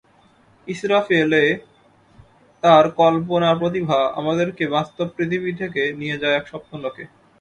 ইসরাফেল-এ তাঁর কল্পনাপ্রতিভা আমাদেরকে বাস্তব পৃথিবী থেকে নিয়ে যায় এক স্বপ্নলোকে।